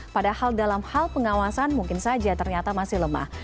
padahal dalam hal pengawasan mungkin saja ternyata masih lemah